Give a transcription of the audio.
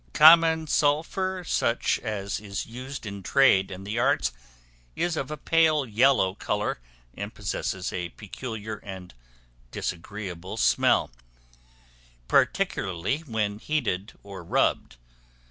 Common sulphur, such as is used in trade and the arts, is of a pale yellow color; and possesses a peculiar and disagreeable smell, particularly when heated or rubbed.